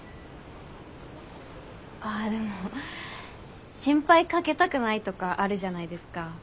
あでも心配かけたくないとかあるじゃないですか。